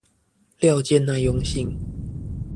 料件耐用性